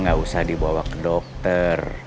gak usah dibawa ke dokter